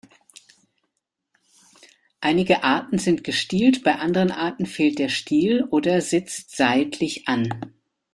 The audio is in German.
Einige Arten sind gestielt, bei anderen Arten fehlt der Stiel oder sitzt seitlich an.